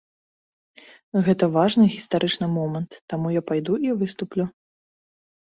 Гэта важны гістарычны момант, таму я пайду і выступлю.